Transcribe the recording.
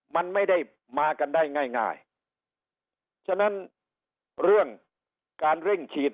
มันไม่ได้มากันได้ง่ายง่ายฉะนั้นเรื่องการเร่งฉีด